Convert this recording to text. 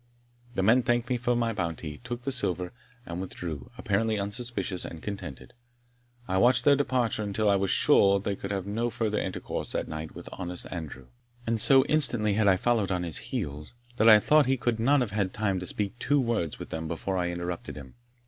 The men thanked me for my bounty, took the silver, and withdrew, apparently unsuspicious and contented. I watched their departure until I was sure they could have no further intercourse that night with honest Andrew. And so instantly had I followed on his heels, that I thought he could not have had time to speak two words with them before I interrupted him.